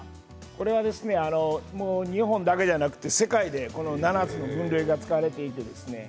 これは日本だけではなくて世界でこの７つの分類が使われているんです。